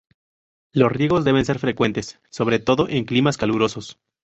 Los riegos deben ser frecuentes, sobre todo en climas calurosos.